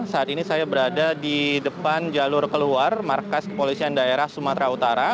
saat ini saya berada di depan jalur keluar markas kepolisian daerah sumatera utara